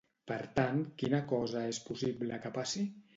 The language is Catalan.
Per tant, quina cosa és possible que passi?